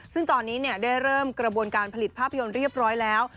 ซึ่งตอนนี้ได้เริ่มกระบวนการผลิตภาพยนตร์เรียบร้อยแล้ว